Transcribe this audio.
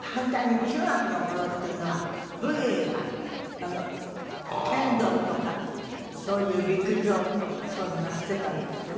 反対に中学の頃っていうのは武芸が剣道とかそういう陸上とかそういうのなすってたんですってね。